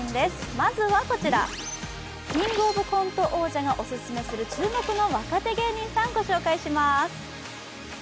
まずはこちら、「キングオブコント」の王者がオススメする、注目の若手芸人さん、ご紹介します